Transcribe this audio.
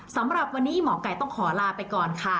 สำหรับวันนี้หมอไก่ต้องขอลาไปก่อนค่ะ